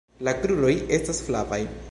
La kruroj estas flavaj.